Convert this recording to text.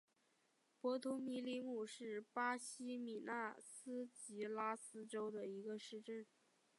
博图米里姆是巴西米纳斯吉拉斯州的一个市镇。